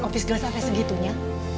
ofis gelas sampai segitunya